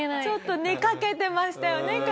ちょっと寝かけてましたよね